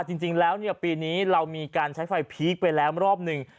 จริงแล้วปีนี้เรามีการใช้ไฟพีคไปแล้วรอบหนึ่ง